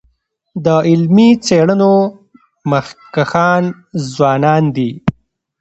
د علمي څېړنو مخکښان ځوانان دي.